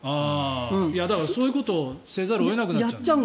だから、そういうことをせざるを得ないという。